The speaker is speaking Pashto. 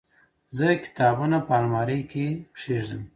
زه کتابونه په المارۍ کې کيږدم.